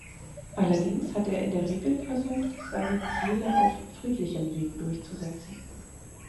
Allerdings hat er in der Regel versucht seine Ziele auf friedlichem Weg durchzusetzen.